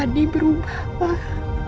adi berubah pak